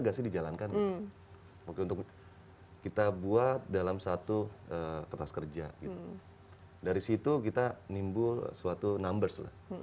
gak sih dijalankan oke untuk kita buat dalam satu kertas kerja gitu dari situ kita nimbul suatu numbers lah